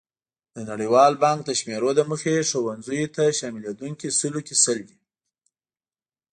د نړیوال بانک د شمېرو له مخې ښوونځیو ته شاملېدونکي سلو کې سل دي.